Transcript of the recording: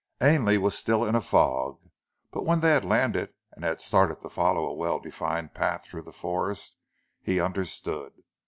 Ainley still was in a fog, but when they had landed and had started to follow a well defined path through the forest, he understood.